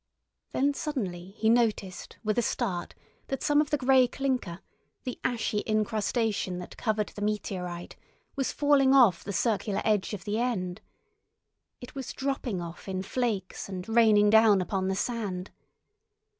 Then suddenly he noticed with a start that some of the grey clinker, the ashy incrustation that covered the meteorite, was falling off the circular edge of the end. It was dropping off in flakes and raining down upon the sand.